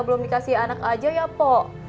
belum dikasih anak aja ya po